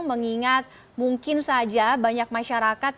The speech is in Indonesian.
mengingat mungkin saja banyak masyarakat